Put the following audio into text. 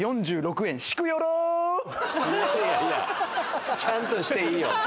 いやいや！ちゃんとしていいよ。